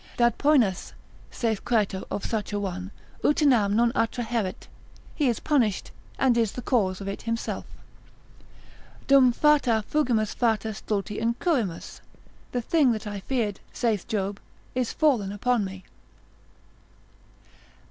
N. N. dat poenas, saith Crato of such a one, utinam non attraheret: he is punished, and is the cause of it himself: Dum fata fugimus fata stulti incurrimus, the thing that I feared, saith Job, is fallen upon me.